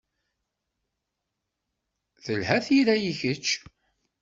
Telha tira i kečč.